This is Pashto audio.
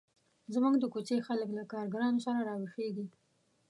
زموږ د کوڅې خلک له کارګرانو سره را ویښیږي.